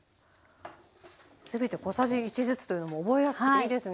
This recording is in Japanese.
全て小さじ１ずつというのも覚えやすくていいですね。